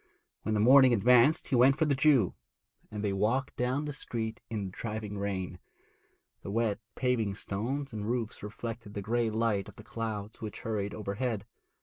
When the morning advanced he went for the Jew, and they walked down the street in the driving rain. The wet paving stones and roofs reflected the grey light of the clouds which hurried overhead.